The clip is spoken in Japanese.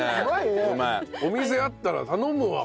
お店にあったら頼むわ。